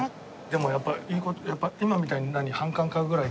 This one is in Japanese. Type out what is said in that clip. でもやっぱ今みたいに何？